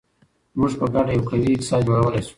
موږ په ګډه یو قوي اقتصاد جوړولی شو.